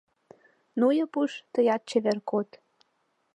— Ну, Япуш, тыят чевер код!